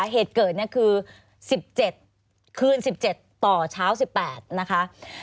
เหตุเกิดเนี่ยคือ๑๗คืน๑๗ต่อเช้า๑๘นะคะ